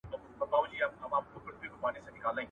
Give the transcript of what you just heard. په خندا پسې ژړا سته.